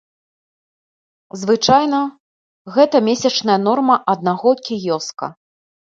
Звычайна, гэта месячная норма аднаго кіёска.